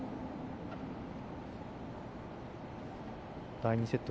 第２セット